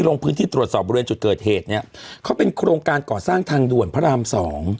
ลงพื้นที่ตรวจสอบบริเวณจุดเกิดเหตุเนี่ยเขาเป็นโครงการก่อสร้างทางด่วนพระรามสอง